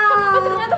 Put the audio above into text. betul nyata pedas